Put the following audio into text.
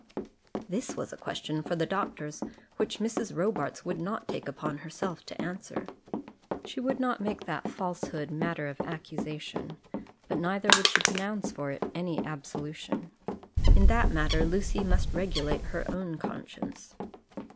This was a question for the doctors which Mrs. Robarts would not take upon herself to answer. She would not make that falsehood matter of accusation, but neither would she pronounce for it any absolution. In that matter Lucy must regulate her own conscience.